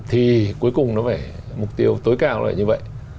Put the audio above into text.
thì cuối cùng mục tiêu tối cao là như vậy